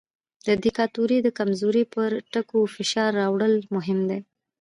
د دیکتاتورۍ د کمزورۍ پر ټکو فشار راوړل مهم دي.